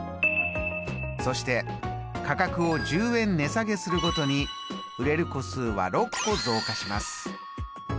そして価格を１０円値下げするごとに売れる個数は６個増加します。